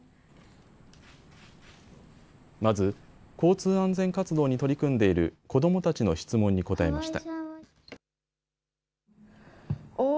まず、交通安全活動に取り組んでいる子どもたちの質問に答えました。